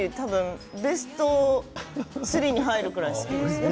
ベスト３に入るくらい好きです。